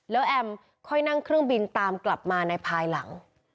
แล้วแอมค่อยนั่งเครื่องบินตามกลับมาในภายหลัง